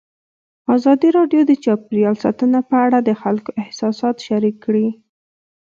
ازادي راډیو د چاپیریال ساتنه په اړه د خلکو احساسات شریک کړي.